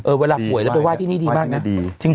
เออเวลาโพยแล้วไปว่าที่นี่ดีมากนะ